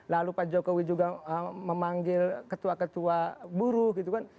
lalu pak jokowi juga memanggil ketua ketua buruh gitu kan